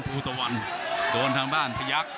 ภูตวรรณสิทธิ์บุญมีน้ำเงิน